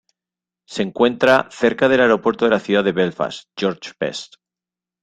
Se encuentra cerca del Aeropuerto de la Ciudad de Belfast George Best.